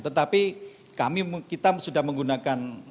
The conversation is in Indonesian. tetapi kita sudah menggunakan